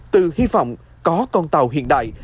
từ hy vọng có con tàu hiện đại